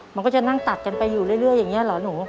มันก็จะนั่งตัดกันไปอยู่เรื่อยอย่างนี้เหรอหนู